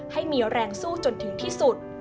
ให้มีแรงสู้จนถึงที่สุด